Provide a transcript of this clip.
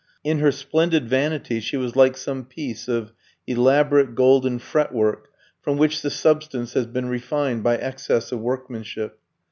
In her splendid vanity she was like some piece of elaborate golden fretwork, from which the substance had been refined by excess of workmanship.